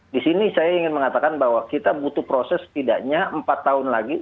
di sini saya ingin mengatakan bahwa kita butuh proses setidaknya empat tahun lagi